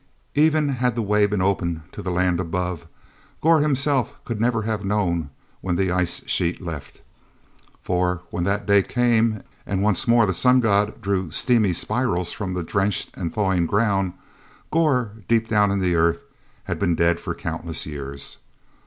Even had the way been open to the land above, Gor himself could never have known when that ice sheet left. For when that day came and once more the Sun god drew steamy spirals from the drenched and thawing ground, Gor, deep down in the earth, had been dead for countless years.